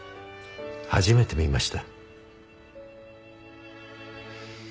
初めて見ました。